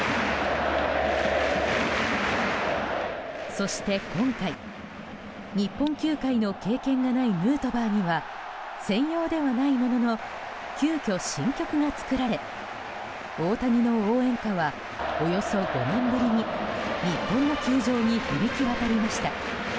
そして今回、日本球界の経験がないヌートバーには専用ではないものの急きょ新曲が作られ大谷の応援歌はおよそ５年ぶりに日本の球場に響き渡りました。